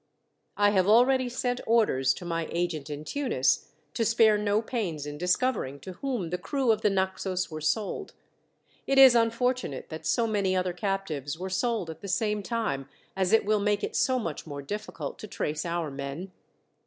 "I have already sent orders, to my agent in Tunis, to spare no pains in discovering to whom the crew of the Naxos were sold. It is unfortunate that so many other captives were sold at the same time, as it will make it so much more difficult to trace our men.